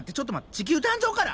地球誕生から？